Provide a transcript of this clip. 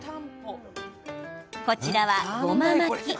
こちらは、ごま巻き。